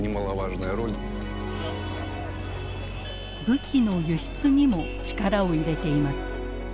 武器の輸出にも力を入れています。